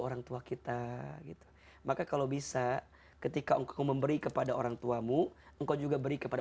orangtua kita gitu maka kalau bisa ketika engkau memberi kepada orangtuamu engkau juga beri kepada